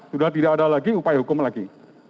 sudah tidak ada lagi upaya hukum lagi